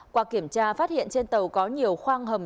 qua kiểm tra phát hiện trên tàu có nhiều khoang hầm